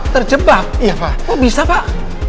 terjebak iya pak oh bisa pak